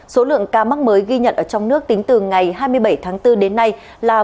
số lượng ca mắc mới ghi nhận ở trong nước tính từ ngày hai mươi bảy tháng bốn đến nay là một mươi bảy tám trăm bảy mươi một ca